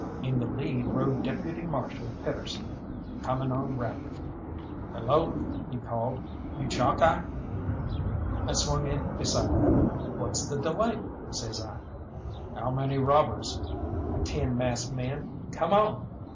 In the lead rode Deputy Marshal Pedersen, coming on rapid. "Hello," he called, "you, Chalkeye!" I swung in beside him. "What's the delay?" says I. "How many robbers?" "Ten masked men, come on!